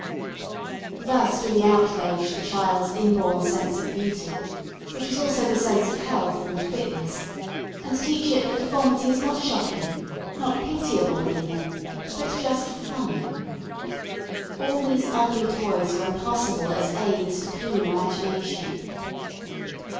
Thus do we outrage the child's inborn sense of beauty, which is also the sense of health and fitness, and teach it that deformity is not shocking, not pitiable even, but just "funny." All these ugly toys are impossible as aids to clean imagination.